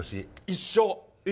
一緒？